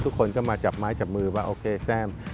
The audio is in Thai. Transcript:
ทุกคนก็มาจับไม้จับมือว่าโอเคแซม